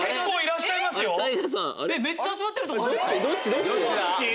どっちだ？